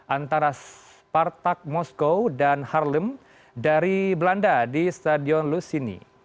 antara partak moskow dan harlem dari belanda di stadion lusini